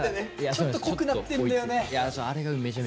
ちょっと濃くなってんだよね。